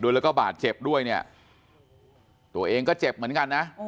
แล้วก็บาดเจ็บด้วยเนี่ยตัวเองก็เจ็บเหมือนกันนะ